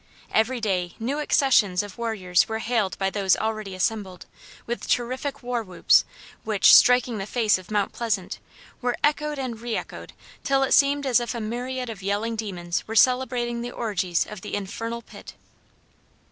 Every day new accessions of warriors were hailed by those already assembled, with terrific war whoops, which, striking the face of Mount Pleasant, were echoed and re echoed till it seemed as if a myriad of yelling demons were celebrating the orgies of the infernal pit.